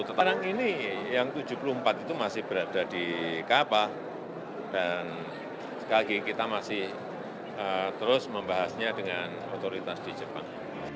sekarang ini yang tujuh puluh empat itu masih berada di kapal dan sekali lagi kita masih terus membahasnya dengan otoritas di jepang